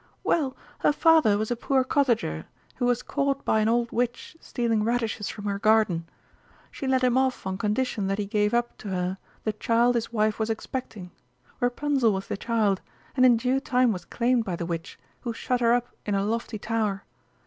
Well, her father was a poor cottager who was caught by an old witch stealing radishes from her garden. She let him off on condition that he gave up to her the child his wife was expecting. Rapunzel was the child, and in due time was claimed by the witch, who shut her up in a lofty tower.